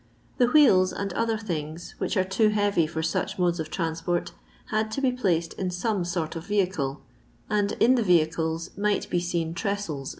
The wheels and other things which are too hearj for such modes of transport had to be placed in some sort of yeliicle, and in the Yehicles might be teen trestles, &c.